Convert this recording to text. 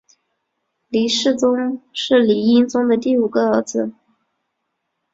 黎世宗是黎英宗的第五个儿子。